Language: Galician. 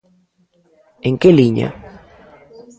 En que liña?